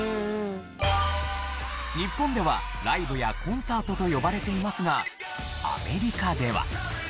日本ではライブやコンサートと呼ばれていますが。